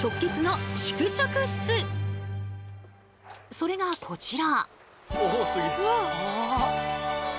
それがこちら。